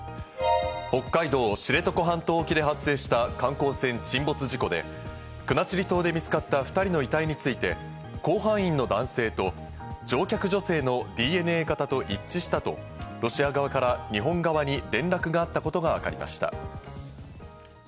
北海道知床半島沖で発生した観光船沈没事故で、国後島で見つかった２人の遺体について甲板員の男性と、乗客女性のＤＮＡ型と一致したとロシア側から日本側に連絡があったことがわかりました。